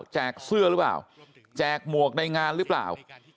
เสื้อหรือเปล่าแจกหมวกในงานหรือเปล่า